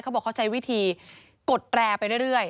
บอกเขาใช้วิธีกดแรไปเรื่อย